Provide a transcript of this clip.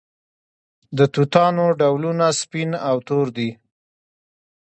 د توتانو ډولونه سپین او تور دي.